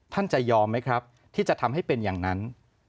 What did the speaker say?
จะยอมไหมครับที่จะทำให้เป็นอย่างนั้น